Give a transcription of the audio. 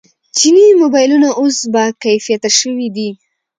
چیني موبایلونه اوس باکیفیته شوي دي.